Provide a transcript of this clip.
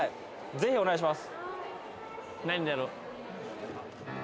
ぜひお願いしま